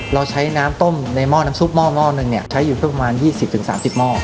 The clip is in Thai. เราใช้น้ำต้มในหม้อน้ำซุปหม้อหม้อหนึ่งเนี้ยใช้อยู่เพื่อประมาณยี่สิบถึงสามสิบหม้อ